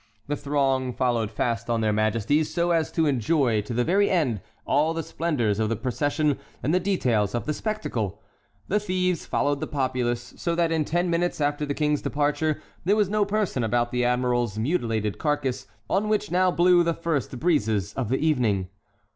The throng followed fast on their majesties so as to enjoy to the very end all the splendors of the procession and the details of the spectacle; the thieves followed the populace, so that in ten minutes after the King's departure there was no person about the admiral's mutilated carcass on which now blew the first breezes of the evening.